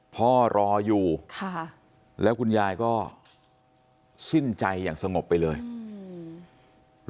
รออยู่ค่ะแล้วคุณยายก็สิ้นใจอย่างสงบไปเลยอืม